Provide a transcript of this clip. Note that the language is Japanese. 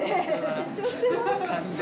緊張してます。